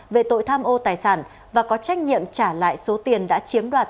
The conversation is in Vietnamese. về tội tham ô tài sản và có trách nhiệm trả lại số tiền đã chiếm đoạt